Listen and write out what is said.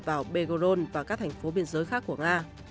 vào begoron và các thành phố biên giới khác của nga